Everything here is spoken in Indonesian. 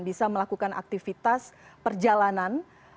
bisa melakukan aktivitas perjalanan